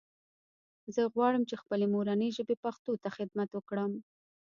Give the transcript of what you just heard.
زه غواړم چې خپلې مورنۍ ژبې پښتو ته خدمت وکړم